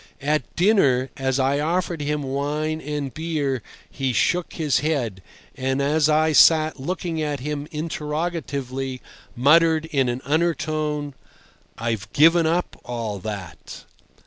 At dinner, as I offered him wine and beer he shook his head, and as I sat looking at him interrogatively, muttered in an undertone: "I've given up all that."